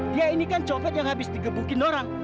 dia ini kan copet yang habis digebukin orang